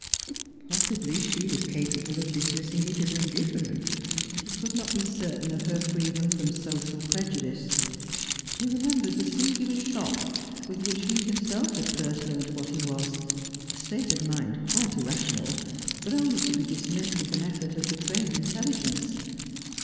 Possibly she was capable of dismissing it as indifferent. But he could not be certain of her freedom from social prejudice. He remembered the singular shock with which he himself had first learnt what he was; a state of mind quite irrational, but only to be dismissed with an effort of the trained intelligence.